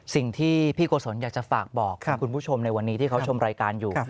สิ่งที่พี่โกศลอยากจะฝากบอกคุณผู้ชมในวันนี้ที่เขาชมรายการอยู่